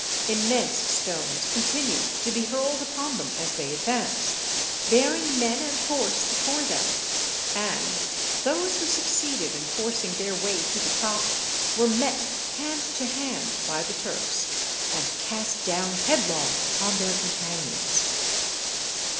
Immense stones continued to be hurled upon them as they advanced, bearing men and horse before them; and those who succeeded in forcing their way to the top were met hand to hand by the Turks, and cast down headlong upon their companions.